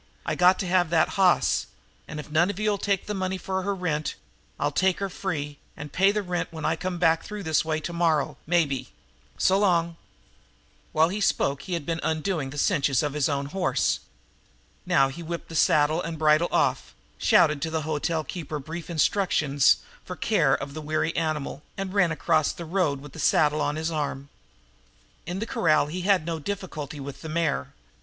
"I got to have that hoss, and, if none of you'll take money for her rent, I'll take her free and pay her rent when I come through this way tomorrow, maybe. S'long!" While he spoke he had been undoing the cinches of his own horse. Now he whipped the saddle and bridle off, shouted to the hotel keeper brief instructions for the care of the weary animal and ran across the road with the saddle on his arm. In the corral he had no difficulty with the mare.